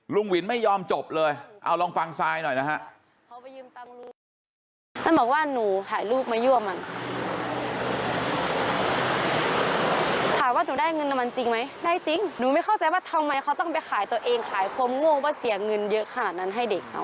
วินไม่ยอมจบเลยเอาลองฟังซายหน่อยนะฮะ